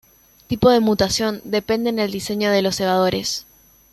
El tipo de mutación depende en el diseño de los cebadores.